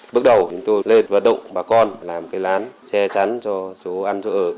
bước đầu chúng tôi lên vật động bà con làm cái lán xe chắn cho số ăn số ở